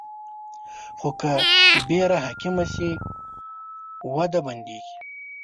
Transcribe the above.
خو که ویره حاکمه شي، وده بندېږي.